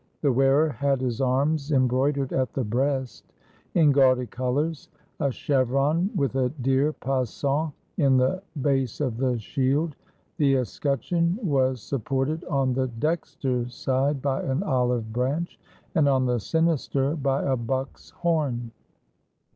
The wearer had his arms embroid ered at the breast in gaudy colors; a chevron, with a deer passant in the base of the shield. The escutcheon was supported on the dexter side by an olive branch, and on the sinister by a buck's horn.